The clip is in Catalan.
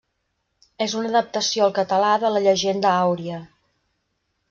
És una adaptació al català de la Llegenda àuria.